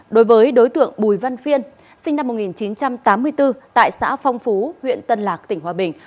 đối với đối tượng bùi văn phiên sinh năm một nghìn chín trăm tám mươi bốn tại xã phong phú huyện tân lạc tỉnh hòa bình